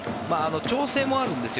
調整もあるんですよ。